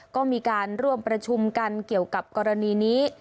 ก็มีการร่วมประชุมกันเกี่ยวกับกรณีนี้